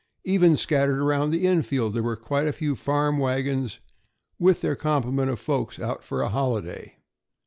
Even scattered around the infield there were quite a few farm wagons, with their complement of folks out for a holiday.